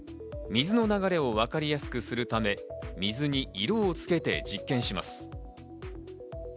水の流れをわかりやすくするため、水に色をつけて実験します。